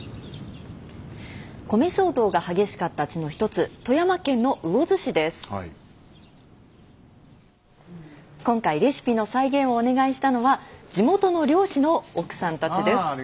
米騒動が激しかった地の一つ今回レシピの再現をお願いしたのは地元の漁師の奥さんたちです。